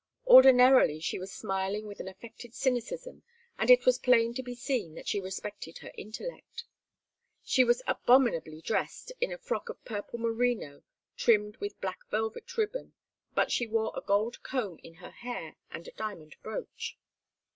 Ordinarily she was smiling with an affected cynicism, and it was plain to be seen that she respected her intellect. She was abominably dressed in a frock of purple merino trimmed with black velvet ribbon; but she wore a gold comb in her hair and a diamond brooch.